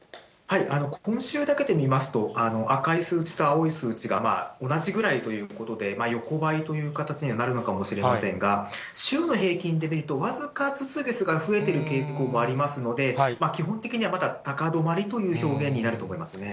今週だけで見ますと、赤い数字と青い数字が同じぐらいということで、横ばいという形にはなるのかもしれませんが、週の平均で見ると、僅かずつですが増えている傾向もありますので、基本的には、まだ高止まりという表現になると思いますね。